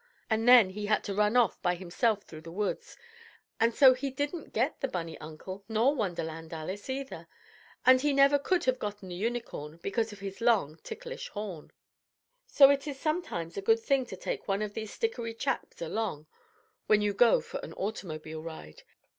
And then he had to run off by himself through the woods, and so he didn't get the bunny uncle nor Wonderland Alice either. And he never could have gotten the Unicorn, because of his long, ticklish horn. So it is sometimes a good thing to take one of these stickery chaps along when you go for an automobile ride.